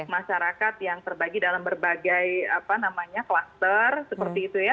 masyarakat yang terbagi dalam berbagai kluster seperti itu ya